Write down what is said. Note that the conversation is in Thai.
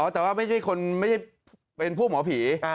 แต่ว่าไม่ใช่ผู้หมอผี